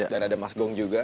dan ada mas gong juga